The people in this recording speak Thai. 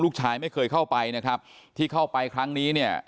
ลูกชายไม่เคยเข้าไปนะครับที่เข้าไปครั้งนี้เนี่ย